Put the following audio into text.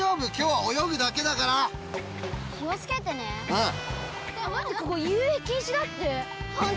うん！